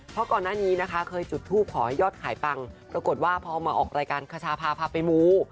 เพราะก่อนหน้านี้นะคะเคยจุดทูปขอให้ยอดขายปังปรากฏว่าพอมาออกรายการคชาพาพาไปมู